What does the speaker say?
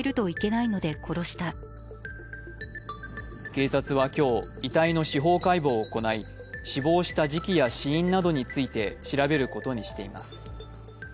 警察は今日、遺体の司法解剖を行い死亡した時期や死因などについて調べることにしています。